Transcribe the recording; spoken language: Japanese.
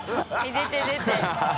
出て出て。